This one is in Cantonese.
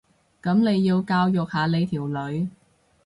噉你要教育下你條女